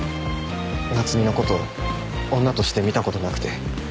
夏海のこと女として見たことなくて。